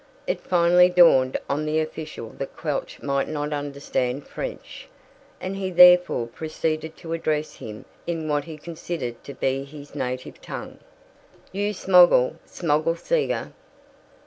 It finally dawned on the official that Quelch might not understand French, and he therefore proceeded to address him in what he considered to be his native tongue. "You smoggle smoggle seegar.